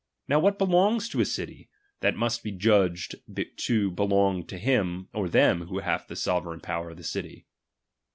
Now what belongs to a city, that must be judged to belong to him or them who have the sovereign power of the city.